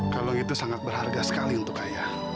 kalau itu sangat berharga sekali untuk ayah